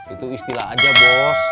itu istilah aja bos